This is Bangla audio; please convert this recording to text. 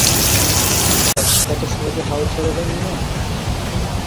এত সহজে হাল ছেড়ে দেন মিয়া!